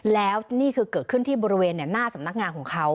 แล้วนี่คือเกิดขึ้นที่บริเวณหน้าสำนักงานของเขา